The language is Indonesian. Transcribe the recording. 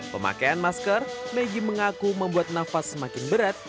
pemakaian masker maggie mengaku membuat nafas semakin berat